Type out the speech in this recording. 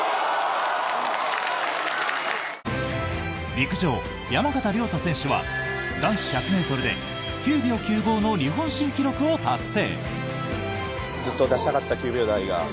陸上、山縣亮太選手は男子１００ｍで９秒９５の日本新記録を達成！